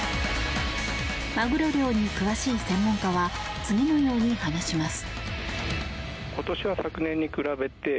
マグロ漁に詳しい専門家は次のように話します。